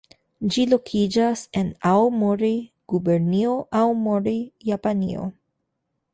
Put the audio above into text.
Ĝi lokiĝas en Aomori, Gubernio Aomori, Japanio.